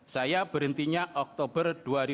saya berhentinya oktober dua ribu dua puluh